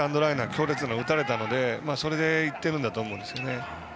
強烈なのを打たれたのでそれで行ってるんだと思います。